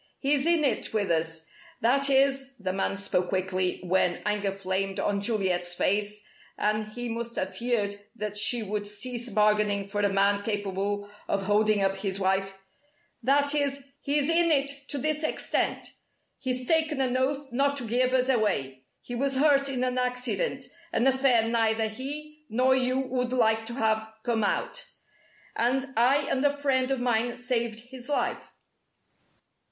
He's in it with us. That is" the man spoke quickly, when anger flamed on Juliet's face and he must have feared that she would cease bargaining for a man capable of "holding up" his wife "that is, he's in it to this extent: he's taken an oath not to give us away. He was hurt in an accident an affair neither he nor you would like to have come out and I and a friend of mine saved his life.